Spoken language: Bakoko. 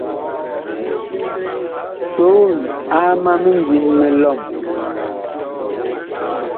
Soon aa ma mindim mi lɔm.